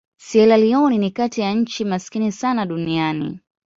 Sierra Leone ni kati ya nchi maskini sana duniani.